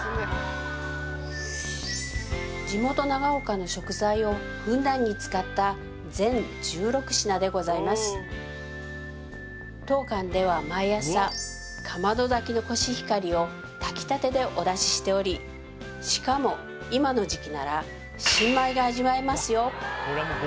地元・長岡の食材をふんだんに使った全１６品でございます当館では毎朝かまど炊きのコシヒカリを炊きたてでお出ししておりしかも今の時期なら新米が味わえますよ